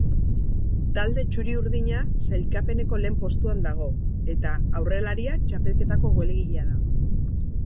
Talde txuri-urdina sailkapeneko lehen postuan dago eta aurrelaria txapelketako golegilea da.